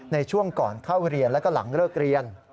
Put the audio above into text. ในช่วงก่อนเข้าเรียนแล้วก็หลังเลิกเรียน